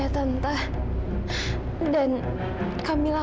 tapi kalau sudah